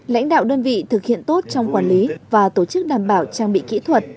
lãnh đạo đơn vị thực hiện tốt trong quản lý và tổ chức đảm bảo trang bị kỹ thuật